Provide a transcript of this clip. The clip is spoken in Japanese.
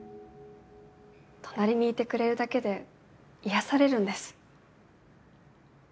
隣にいてくれるだけで癒やされるんです。